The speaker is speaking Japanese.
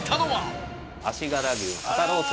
足柄牛の肩ロース。